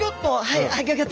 はい。